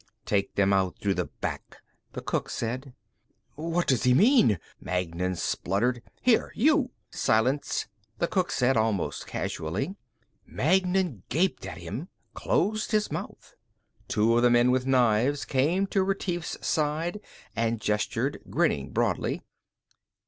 "Take them out through the back," the cook said. "What does he mean?" Magnan spluttered. "Here, you " "Silence," the cook said, almost casually. Magnan gaped at him, closed his mouth. Two of the men with knives came to Retief's side and gestured, grinning broadly.